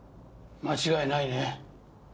間違いないね？